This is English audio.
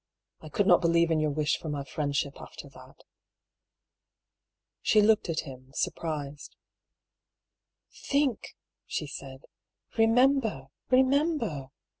I could not believe in your wish for my friendship after that." She looked at him, surprised. "Think," she said; "remember, remember!